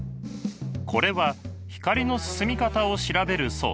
これは光の進み方を調べる装置。